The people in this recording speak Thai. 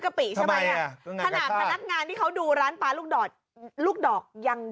กี่ก